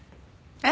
「えっ？」